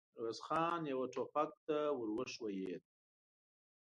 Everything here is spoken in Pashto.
ميرويس خان يوه ټوپک ته ور وښويېد.